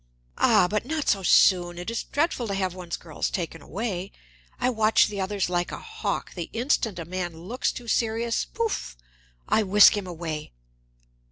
"Ah, but not so soon! It is dreadful to have one's girls taken away. I watch the others like a hawk; the instant a man looks too serious pouf! I whisk him away!"